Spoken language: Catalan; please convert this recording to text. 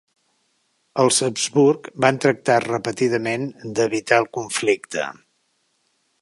Els Habsburg van tractar repetidament d'evitar el conflicte.